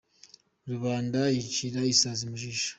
Rubanda yicira isazi mu jisho !